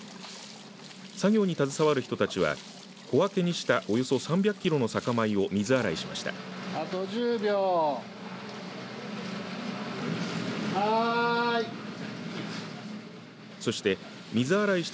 作業に携わる人たちは小分けにしたおよそ３００キロの酒米を水洗いしました。